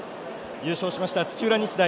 優勝しました土浦日大